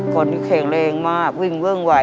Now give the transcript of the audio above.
ก่อนที่แข็งแรงมากวิ่งเวิ่งไหว